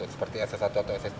seperti ss satu atau ss dua